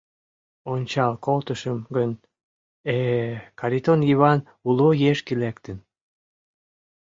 Ончал колтышым гын — э-э, Каритон Йыван уло ешге лектын.